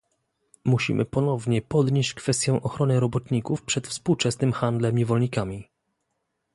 Musimy ponownie podnieść kwestię ochrony robotników przed współczesnym handlem niewolnikami